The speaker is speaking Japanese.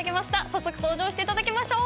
早速登場していただきましょう。